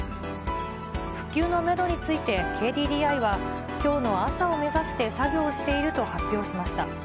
復旧のメドについてＫＤＤＩは、きょうの朝を目指して作業していると発表しました。